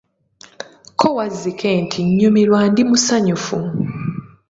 Ko Wazzike nti, nyumirwa ndi musanyufu.